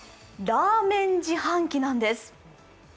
ラーメン自販機なんです。